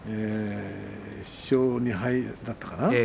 １勝２敗だったかな。